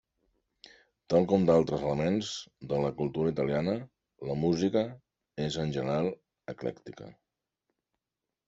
Tal com d'altres elements de la cultura italiana, la música és en general eclèctica.